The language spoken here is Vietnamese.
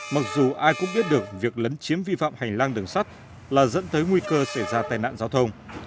mặc dù ai cũng biết được việc lấn chiếm vi phạm hành lang đường sắt là dẫn tới nguy cơ xảy ra tai nạn giao thông